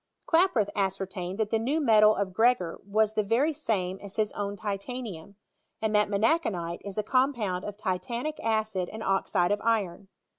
Klaproth ascertained that the new tnetal of Gregor iras the very same as hia own titanium, and that menacbanite is a compound of titanic acid and oxide of iron.